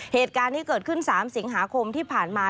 เหตุการณ์ที่เกิดขึ้น๓สิงหาคมที่ผ่านมา